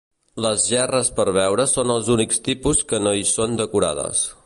Les gerres per a veure són els únics tipus que no hi són decorades.